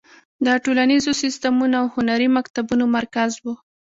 د ټولنیزو سیستمونو او هنري مکتبونو مرکز و.